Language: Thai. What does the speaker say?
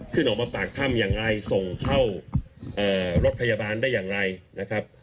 ออกมาปากถ้ำอย่างไรส่งเข้ารถพยาบาลได้อย่างไรนะครับ